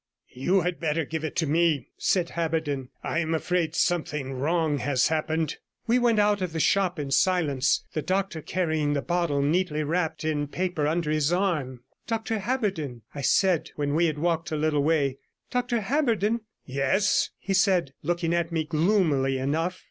'You had better give it to me,' said Haberden. 'I am afraid something wrong has happened.' We went out of the shop in silence, the doctor carrying the bottle neatly wrapped in paper under his arm. 112 'Dr Haberden,' I said, when we had walked a little way 'Dr Haberden.' 'Yes,' he said, looking at me gloomily enough.